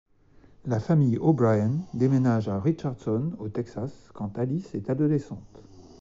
La famille O'Brien déménage à Richardson au Texas quand Alice est adolescente.